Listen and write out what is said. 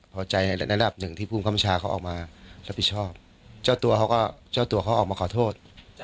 พิชาบเจ้าตัวเขาออกมาขอโทษ